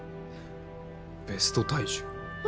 ベスト体重あ